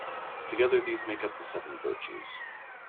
Together these make up the seven virtues.